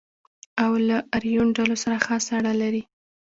او له آریون ډلو سره خاصه اړه لري.